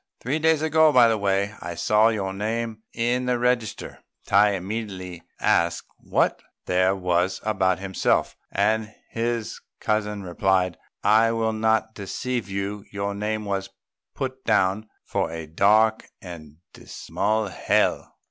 Three days ago, by the way, I saw your name in the register." Tai immediately asked what there was about himself, and his cousin replied, "I will not deceive you; your name was put down for a dark and dismal hell."